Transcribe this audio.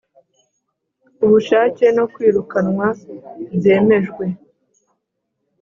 ubushake no kwirukanwa byemejwe